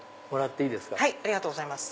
ありがとうございます。